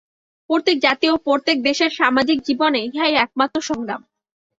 প্রত্যেক জাতি ও প্রত্যেক দেশের সামাজিক জীবনে ইহাই একমাত্র সংগ্রাম।